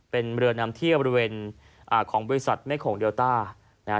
เป็นเรือนำเที่ยวบริเวณอ่าของบริษัทแม่โขงเดลต้านะฮะ